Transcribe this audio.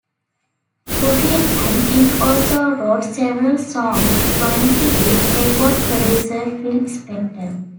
Goffin and King also wrote several songs jointly with record producer Phil Spector.